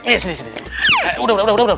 eh sini sini udah udah udah